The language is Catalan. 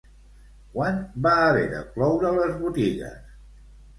Quan va haver de cloure les botigues?